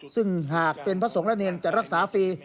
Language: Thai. ซึ่งหากเป็นพระสงฆ์และเนรจะรักษาฟรี